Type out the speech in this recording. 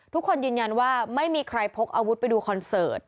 ทุกคนยืนยันว่าไม่มีใครพกอาวุธไปดูคอนเสิร์ต